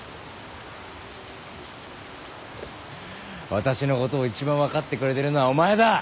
私のことを一番分かってくれてるのはお前だ